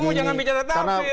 kamu jangan bicara tafsir